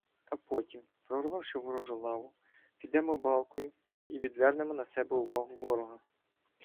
А потім, прорвавши ворожу лаву, підемо балкою і відвернемо на себе увагу ворога.